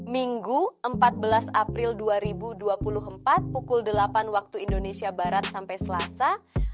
minggu empat belas april dua ribu dua puluh empat pukul delapan waktu indonesia barat sampai selasa